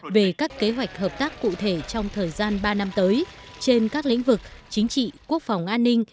về các kế hoạch hợp tác cụ thể trong thời gian ba năm tới trên các lĩnh vực chính trị quốc phòng an ninh